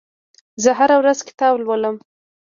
زه هره ورځ کتاب لولم.